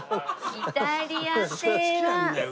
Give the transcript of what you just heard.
イタリア製は。